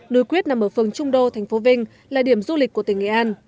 núi quyết nằm ở phường trung đô thành phố vinh là điểm du lịch của tỉnh nghệ an